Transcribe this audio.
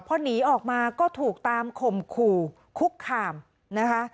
พอหนีออกมาก็ถูกตามข่มขู่คุกคามนะคะ